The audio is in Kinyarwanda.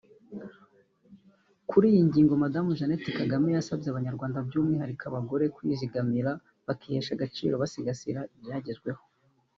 Kuri iyi ngingo Madamu Jeannette Kagame yasabye Abanyarwanda by’umwihariko abagore kwizigamira bakihesha agaciro basigasira ibyagezweho